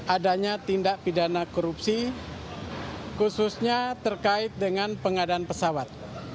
adanya tindak pidana korupsi khususnya terkait dengan pengadaan pesawat